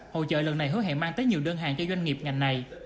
hội trợ lần này hứa hẹn mang tới nhiều đơn hàng cho doanh nghiệp ngành này